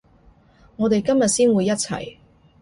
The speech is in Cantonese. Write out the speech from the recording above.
我哋今日先會一齊